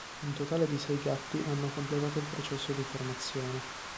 Un totale di sei gatti hanno completato il processo di formazione.